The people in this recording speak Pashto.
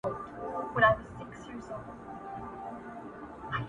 • شپه كي هم خوب نه راځي جانه زما.